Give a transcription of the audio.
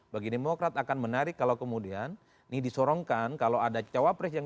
bagi demokrat akan menarik kalau kemudian ini disorongkan kalau ada cawapres yang